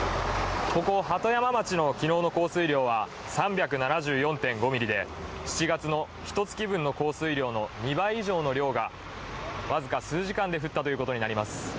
ここ鳩山町の昨日の降水量は３７４．５ミリで７月の一月分の降水量の２倍以上の雨量が僅か数時間で降ったということになります。